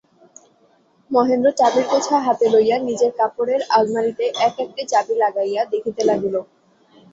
মহেন্দ্র চাবির গোছা লইয়া নিজের কাপড়ের আলমারিতে এক-একটি চাবি লাগাইয়া দেখিতে লাগিল।